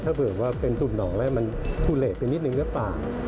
ถ้าเผื่อว่าเป็นสุ่มหนองแล้วมันทุเลไปนิดนึงหรือเปล่า